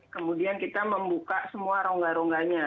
kemudian kita membuka semua rongga rongganya